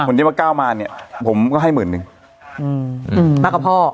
ผมเรียกว่าก้าวมาเนี่ยผมก็ให้หมื่นหนึ่งอืมอืมมากับพ่อ